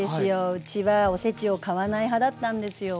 うちはおせちを買わない派だったんですよ。